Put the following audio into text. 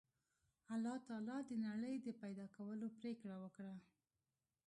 الله تعالی د نړۍ د پیدا کولو پرېکړه وکړه